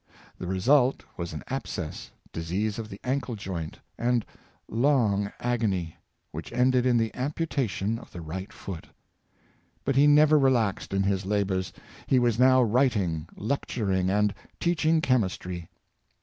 The result was an abscess, disease of the ankle joint, and long agony, which ended in the amputation of the right foot. But he never relaxed in his labors. He was now writing, lecturing and teaching chemistry.